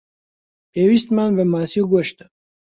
پێویستمان بە ماسی و گۆشتە.